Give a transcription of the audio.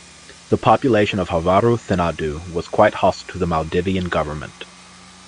The population of Havaru Thinadhoo was quite hostile to the Maldivian Government.